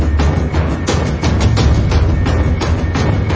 แล้วก็พอเล่ากับเขาก็คอยจับอย่างนี้ครับ